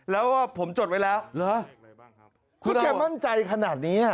แล้วผมจดไว้แล้วคุณแกมั่นใจขนาดนี้